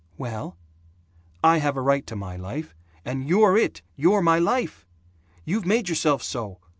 "Well?" "I have a right to my life and you're it, you're my life! You've made yourself so.